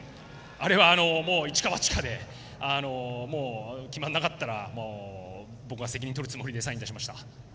あれは一か八かで決まらなかったら僕が責任を取るつもりでサインを出しました。